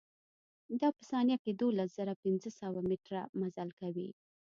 دا په ثانيه کښې دولز زره پنځه سوه مټره مزل کوي.